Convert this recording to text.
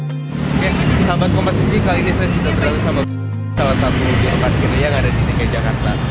oke sahabat komas tv kali ini saya sudah berbual sama salah satu juruparkir yang ada di dki jakarta